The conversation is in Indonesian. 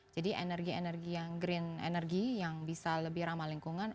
jadi energi energi yang green energy yang bisa lebih ramah lingkungan